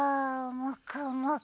もくもく。